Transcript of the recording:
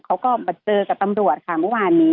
เขาก็มาเจอกับตำรวจค่ะเมื่อวานนี้